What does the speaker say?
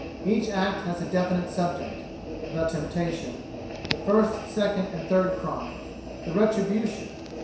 Each act has a definite subject: The Temptation; The First, Second, and Third Crimes; The Retribution.